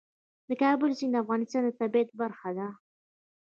د کابل سیند د افغانستان د طبیعت برخه ده.